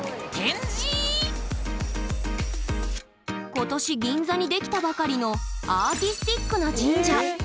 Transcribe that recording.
今年銀座に出来たばかりのアーティスティックな神社。